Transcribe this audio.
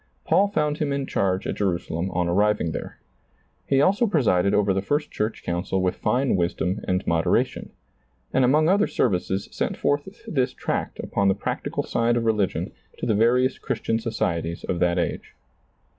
Paul found him in chaise at Jerusalem on arriving there. He also presided over the first church council with fine wisdom and moderation, and among other services sent forth this tract upon the practical side of religion to the various Chris tian societies of that age.